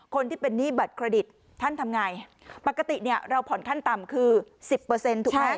คนที่เป็นหนี้บัตรเครดิตท่านทำไงปกติเนี่ยเราผ่อนขั้นต่ำคือ๑๐ถูกไหม